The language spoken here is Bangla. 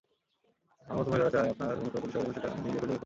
আমার মতো মহিলারা চায়, আপনার মতো পুরুষেরা যেন সেটা নিজে খুঁজে বের করে।